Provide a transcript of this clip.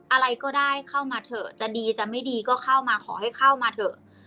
อะไรก็ได้เข้ามาเถอะจะดีจะไม่ดีก็เข้ามาขอให้เข้ามาเถอะ